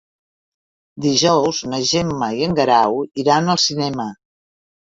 Dijous na Gemma i en Guerau iran al cinema.